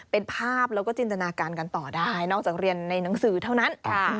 เป็นภาพแล้วก็จินตนาการกันต่อได้นอกจากเรียนในหนังสือเท่านั้น